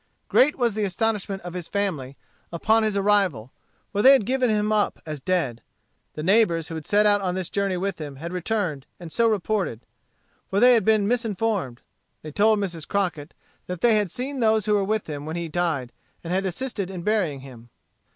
Great was the astonishment of his family upon his arrival, for they had given him up as dead. The neighbors who set out on this journey with him had returned and so reported; for they had been misinformed. They told Mrs. Crockett that they had seen those who were with him when he died, and had assisted in burying him.